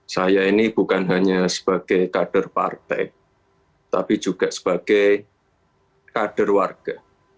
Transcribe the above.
saya ini bukan hanya sebagai kader partai tapi juga sebagai kader warga